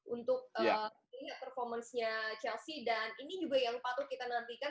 untuk lihat performance nya chelsea dan ini juga yang patut kita nantikan